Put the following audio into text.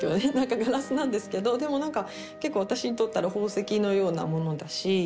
ガラスなんですけどでもなんか結構私にとったら宝石のようなものだし。